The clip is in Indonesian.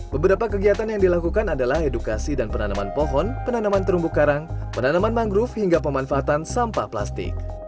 beberapa kegiatan yang dilakukan adalah edukasi dan penanaman pohon penanaman terumbu karang penanaman mangrove hingga pemanfaatan sampah plastik